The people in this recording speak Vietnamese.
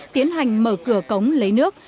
tiến hành mở cửa cống lấy nước